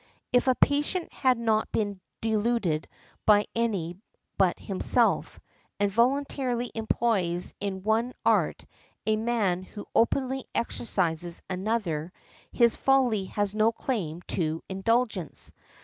If a patient has not been deluded by any but himself, and voluntarily employs in one art a man who openly exercises another, his folly has no claim to indulgence.